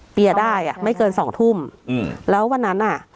ได้อ่ะไม่เกินสองทุ่มอืมแล้ววันนั้นอ่ะ